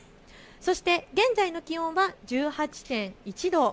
そして現在の気温は１８．１度。